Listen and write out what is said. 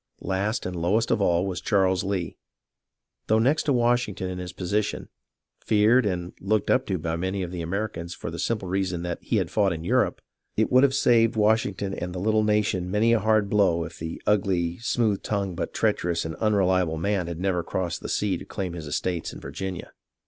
Last and lowest of all was Charles Lee, though next to Washington in his position, feared and looked up to by many of the Americans for the 74 HISTORY OF THE AMERICAN REVOLUTION simple reason that he had fought in Europe. It would have saved Washington and the Httle nation many a hard blow if the ugly, smooth tongued, but treacherous and unreliable man had never crossed the sea to claim his estates in Virginia.